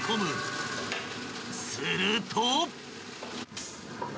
［すると］